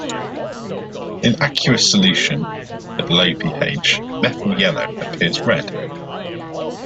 In aqueous solution at low pH, methyl yellow appears red.